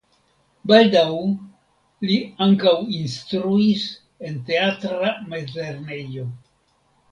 Baldaŭ li ankaŭ instruis en teatra mezlernejo.